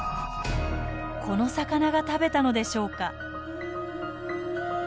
この魚が食べたのでしょうか？